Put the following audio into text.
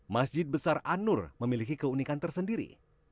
masjid besar anur memiliki keunikan tersendiri